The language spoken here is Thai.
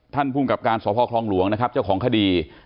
ภูมิกับการสพคลองหลวงนะครับเจ้าของคดี